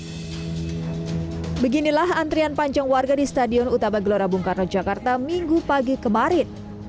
hai beginilah antrian panjang warga di stadion utaba gelora bung karno jakarta minggu pagi kemarin